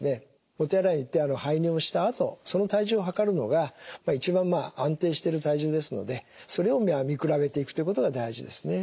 お手洗いに行って排尿したあとその体重を量るのが一番まあ安定してる体重ですのでそれを見比べていくということが大事ですね。